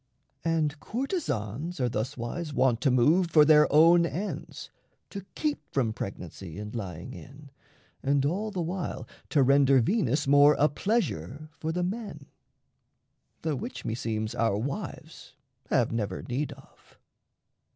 And courtesans Are thuswise wont to move for their own ends, To keep from pregnancy and lying in, And all the while to render Venus more A pleasure for the men the which meseems Our wives have never need of.